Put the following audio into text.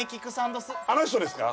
どすあの人ですか？